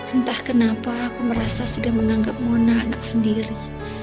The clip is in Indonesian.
entah kenapa aku merasa sudah menganggap monah anak sendiri